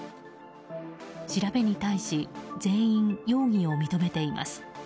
調べに対し全員容疑を認めています。